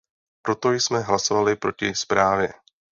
Proto jsme hlasovali proti zprávě.